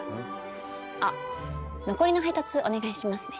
あっ残りの配達お願いしますね。